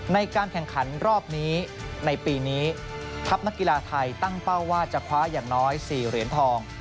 ในการแข่งขันรอบนี้ในปีนี้ทัพนักกีฬาไทยตั้งเป้าว่าจะคว้าอย่างน้อย๔เหรียญทอง